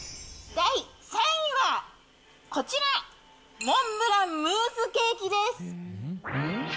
第３位はこちら、モンブランムースケーキです。